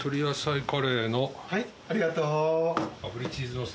はいありがとう。